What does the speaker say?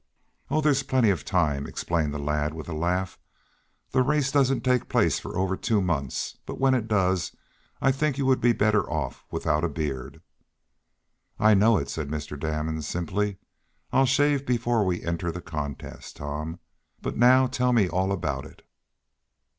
"Oh, there's plenty of time," explained the lad, with a laugh. "The race doesn't take place for over two months. But when it does, I think you would be better off without a beard." "I know it," said Mr. Damon simply. "I'll shave before we enter the contest, Tom. But now tell me all about it."